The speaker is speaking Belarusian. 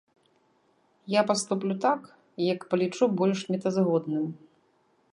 Я паступлю так, як палічу больш мэтазгодным.